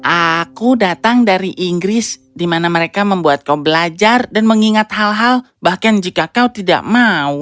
aku datang dari inggris dimana mereka membuat kau belajar dan mengingat hal hal bahkan jika kau tidak mau